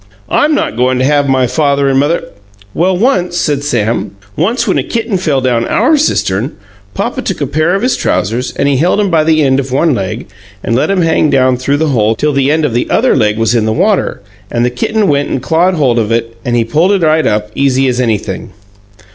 I'm not goin' to have my father and mother " "Well, once," said Sam, "once when a kitten fell down OUR cistern, Papa took a pair of his trousers, and he held 'em by the end of one leg, and let 'em hang down through the hole till the end of the other leg was in the water, and the kitten went and clawed hold of it, and he pulled it right up, easy as anything.